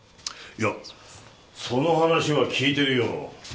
いやその話は聞いてるよ。